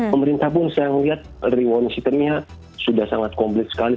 pemerintah pun saya melihat rewarnisiternya sudah sangat komplit sekali